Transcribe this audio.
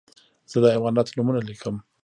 زه د حیواناتو نومونه لیکم.